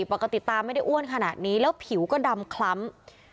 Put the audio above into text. ปกติตาไม่ได้อ้วนขนาดนี้แล้วผิวก็ดำคล้ำ